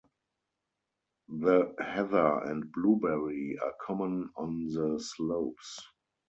The heather and blueberry are common on the slopes.